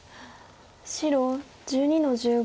白１２の十五。